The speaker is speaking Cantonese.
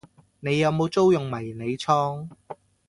你有冇租用迷你倉？